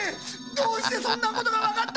どうしてそんなことがわかった！